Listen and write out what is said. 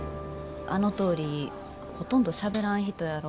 あのとおりほとんどしゃべらん人やろ。